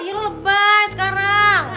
eh lo lebay sekarang